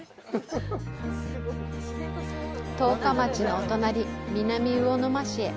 十日町のお隣、南魚沼市へ。